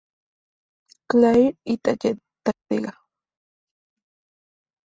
Clair y Talladega.